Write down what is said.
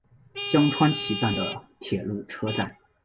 江川崎站的铁路车站。